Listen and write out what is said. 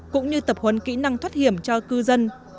cũng như tập huấn kỹ năng thoát hiểm cho cư dân